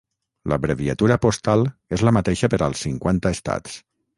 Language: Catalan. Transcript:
L'abreviatura postal és la mateixa per als cinquanta estats.